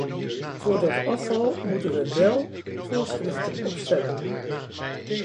Voor dat afval moeten we wèl voorschriften opstellen.